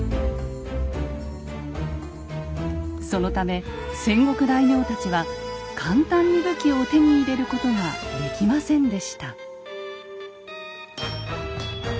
そのため戦国大名たちは簡単に武器を手に入れることができませんでした。